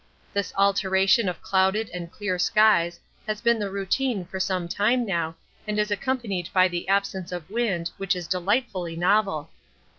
This alternation of clouded and clear skies has been the routine for some time now and is accompanied by the absence of wind which is delightfully novel.